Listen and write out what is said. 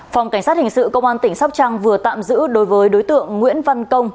phòng cảnh sát hình sự công an tỉnh sóc trăng vừa tạm giữ đối với đối tượng nguyễn văn công